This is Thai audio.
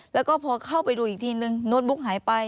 แล้วก็พอเข้าไปดูอีกทีนึงโน้ตบุ๊กหายไป